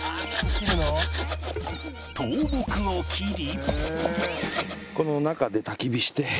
倒木を切り